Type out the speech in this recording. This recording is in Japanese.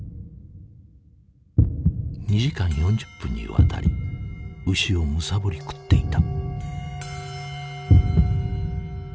２時間４０分にわたり牛をむさぼり食っていた。